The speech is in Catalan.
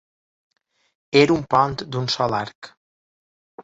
Era un pont d'un sol arc.